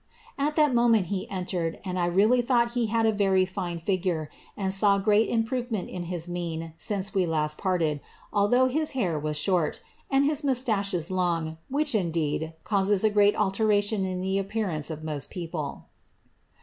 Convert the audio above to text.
^ At that moment he entered, and I really thongbt he had a very tine figure, and 1 saw great improvement in his mien fince we last parted, although his hair was short and his moustaches loogi whic}), indeed, causes a great alteration in the appearance of moit people."